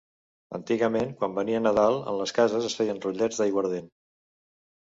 Antigament, quan venia Nadal, en les cases es feen rotllets d’aiguardent.